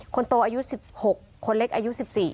คนโตอายุ๑๖คนเล็กอายุ๑๔